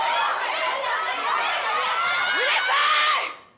うるさい！